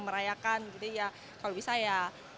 merayakan gitu ya kalau bisa ya